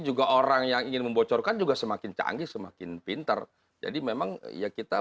juga orang yang ingin membocorkan juga semakin canggih semakin pinter jadi memang ya kita